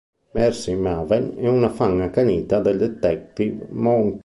Marci Maven è una fan accanita del detective Monk.